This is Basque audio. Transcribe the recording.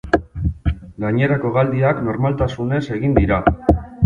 Gainerako hegaldiak normaltasunez egin dira.